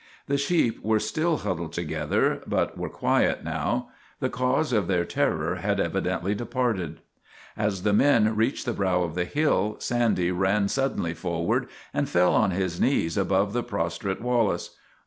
The sheep were still huddled together, but were quiet now. The cause of their terror had evidently departed. As the men reached the brow of the hill Sandy ran suddenly forward and fell on his knees above the prostrate Wallace.